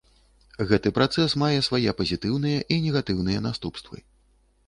Гэты працэс мае свае пазітыўныя і негатыўныя наступствы.